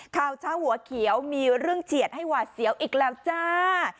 ข่าวเช้าหัวเขียวมีเรื่องเฉียดให้หวาดเสียวอีกแล้วจ้า